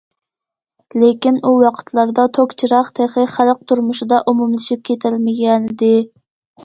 لېكىن ئۇ ۋاقىتلاردا توك چىراغ تېخى خەلق تۇرمۇشىدا ئومۇملىشىپ كېتەلمىگەنىدى.